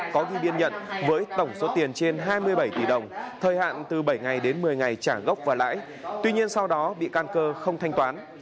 có bị biên nhận với tổng số tiền trên hai mươi bảy tỷ đồng thời hạn từ bảy ngày đến một mươi ngày trả gốc và lãi tuy nhiên sau đó bị can cơ không thanh toán